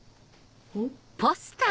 おっ。